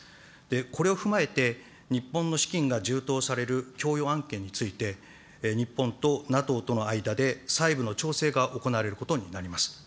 これを踏まえて、日本の資金が充当される供与案件について、日本とＮＡＴＯとの間で細部の調整が行われることになります。